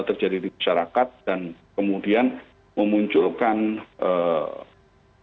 terjadi di masyarakat dan kemudian memunculkan